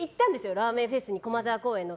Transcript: ラーメンフェスに駒沢公園の。